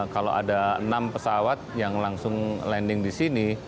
kalau ada enam pesawat yang langsung landing di sini